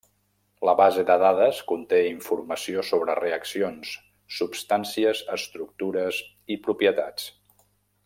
La base de dades conté informació sobre reaccions, substàncies, estructures i propietats.